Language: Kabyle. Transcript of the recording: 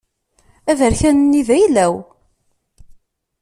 Aberkan-nni d ayla-w.